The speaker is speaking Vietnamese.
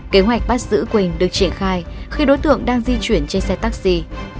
kế hoạch bắt giữ quỳnh được triển khai khi đối tượng đang di chuyển trên xe taxi